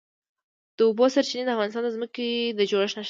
د اوبو سرچینې د افغانستان د ځمکې د جوړښت نښه ده.